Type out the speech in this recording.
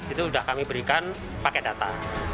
itu udah kami berikan paket data